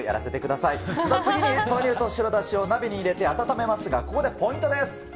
さあ、次に豆乳と白だしを鍋に入れて温めますが、ここでポイントです。